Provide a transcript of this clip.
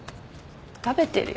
食べてるよ。